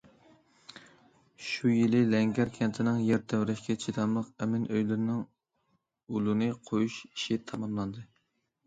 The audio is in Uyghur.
شۇ يىلى لەڭگەر كەنتىنىڭ يەر تەۋرەشكە چىداملىق ئەمىن ئۆيلىرىنىڭ ئۇلىنى قويۇش ئىشى تاماملاندى.